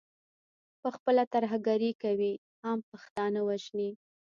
پخپله ترهګري کوي، عام پښتانه وژني.